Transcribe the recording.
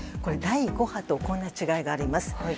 第５波とこんな違いがあります。